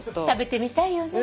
食べてみたいよね？